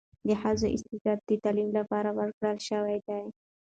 د ښځو استعداد د تعلیم لپاره ورکړل شوی دی.